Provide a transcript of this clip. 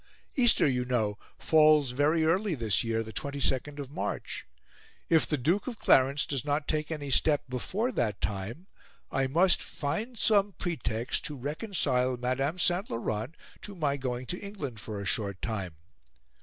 Easter, you know, falls very early this year the 22nd of March. If the Duke of Clarence does not take any step before that time, I must find some pretext to reconcile Madame St. Laurent to my going to England for a short time.